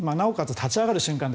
立ち上がる瞬間って